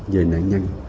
về nạn nhân